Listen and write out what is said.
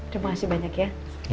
terima kasih banyak ya